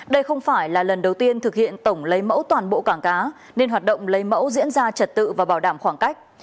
đây không phải là lần đầu tiên thực hiện tổng lấy mẫu toàn bộ cảng cá nên hoạt động lấy mẫu diễn ra trật tự và bảo đảm khoảng cách